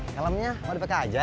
kalemnya mau dipake aja